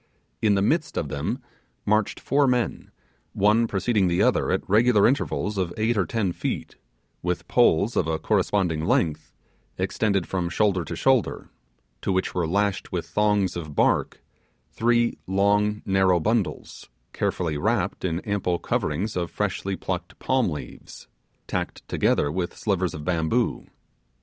In the midst of them marched four men, one preceding the other at regular intervals of eight or ten feet, with poles of a corresponding length, extending from shoulder to shoulder, to which were lashed with thongs of bark three long narrow bundles, carefully wrapped in ample coverings of freshly plucked palm leaves, tacked together with slivers of bamboo.